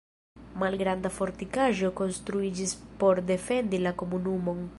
Malgranda fortikaĵo konstruiĝis por defendi la komunumon.